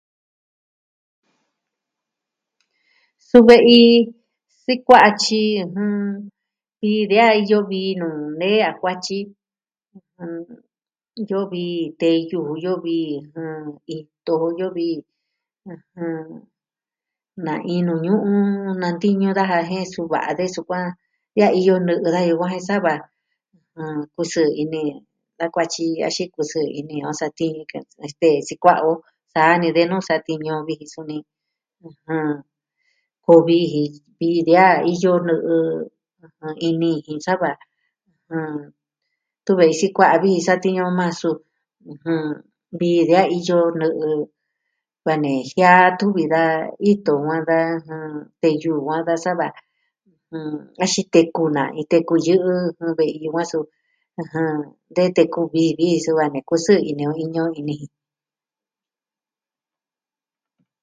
Suu ve'i sikua'a tyi vii de a iyo nuu nee a kuatyi iyo vii teyu ju, iyo vi ito jo iyo vi. Na iin nuu ñu'un nantiñu daja suu va'a de sukuan. Vi a iyo nɨ'ɨ da yukuan jen sava kusɨɨ ini da kuatyi axin kusɨɨ ini o sa , este, sikua'a o. Saa ni de nuu satiñu o vi ji suni, koo vii ji. Vii de a iyo nɨ'ɨ ini jin sava, tun ve'i sikua'a vi ji, satiñu on majan, suu vii de a iyo nɨ'ɨ. Va ne jiaa tuvi da ito yukuan da, teyu yukuan da sa va. Axin na iin teku yɨ'ɨ ve'i sukua'a. De teku vii vi ji suu va ne kusɨɨ ini o iñɨ on ini ji.